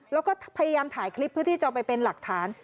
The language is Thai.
แล้วก็พยายามถ่ายคลิปเพื่อที่จะเอาไปเป็นหลักฐาน